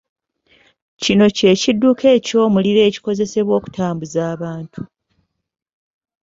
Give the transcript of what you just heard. Kino kye kidduka eky’omuliro ekikozesebwa okutambuza abantu.